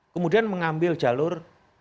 kemudian mengambil jalur